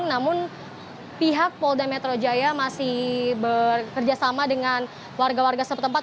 namun pihak polda metro jaya masih bekerjasama dengan warga warga setempat